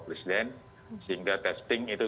presiden sehingga testing itu